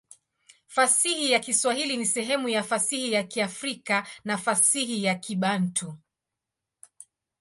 Fasihi ya Kiswahili ni sehemu ya fasihi ya Kiafrika na fasihi ya Kibantu.